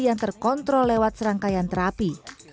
yang terkontrol lewat serangkaian terapi